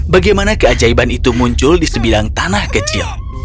bagaimana keajaiban itu muncul di sebidang tanah kecil